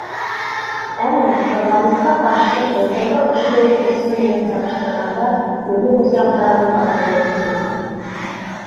Әммә, ҡыҙғанысҡа ҡаршы, былтырғы ошо уҡ осор менән сағыштырғанда үлем осраҡтарының артыуы күҙәтелә.